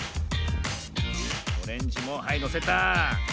オレンジもはいのせた。